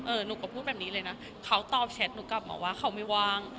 หนูก็พูดแบบนี้เลยนะเขาตอบแชทหนูกลับมาว่าเขาไม่ว่าง